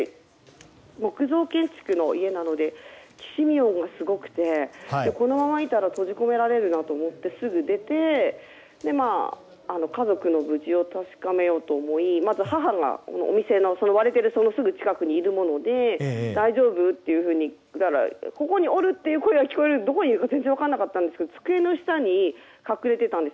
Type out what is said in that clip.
木造建築の家なのできしみがすごくてこのままいたら閉じ込められるなと思ってすぐ出て家族の無事を確かめようと思いまず母がお店の、割れているすぐ近くにいるもので大丈夫？と聞いたらここにおるっていう声は聞こえるんですけどどこにいるか全然分からなかったんですが机の下に隠れてたんです。